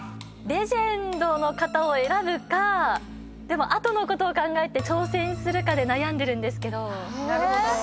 レジェンドの方を選ぶかでも後のことを考えて挑戦するかで悩んでるんですけど。